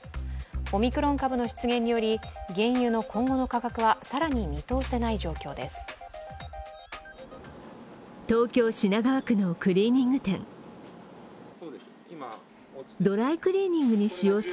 オミクロン株の出現により、原油の今後の価格は更に見通せない状況です。